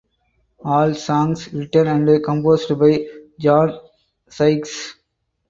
All songs written and composed by John Sykes.